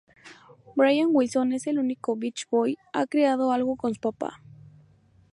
Brian Wilson es el único Beach Boy ha creado algo con su papá.